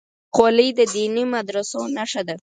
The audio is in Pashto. خولۍ د دیني مدرسو نښه ده.